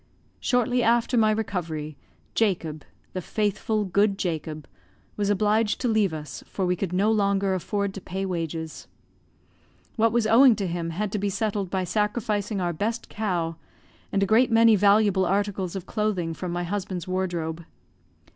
Shortly after my recovery, Jacob the faithful, good Jacob was obliged to leave us, for we could no longer afford to pay wages. What was owing to him had to be settled by sacrificing our best cow, and a great many valuable articles of clothing from my husband's wardrobe.